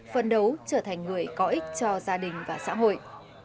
phân đấu trở thành người có ích cho gia đình và xã hội